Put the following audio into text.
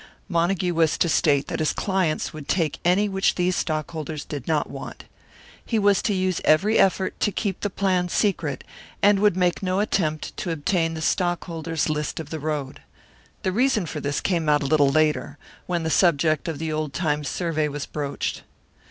Montague was to state that his clients would take any which these stockholders did not want. He was to use every effort to keep the plan secret, and would make no attempt to obtain the stock holders' list of the road. The reason for this came out a little later, when the subject of the old time survey was broached.